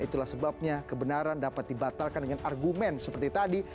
itulah sebabnya kebenaran dapat dibatalkan dengan argumen seperti tadi